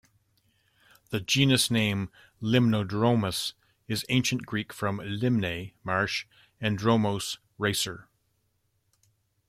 The genus name "Limnodromus" is Ancient Greek from "limne", "marsh" and "dromos", "racer".